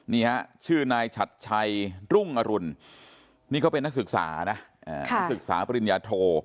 นี่ฮะชื่อนายฉัดชัยรุ่งอรุณนี่เขาเป็นนักศึกษานะนักศึกษาปริญญาโท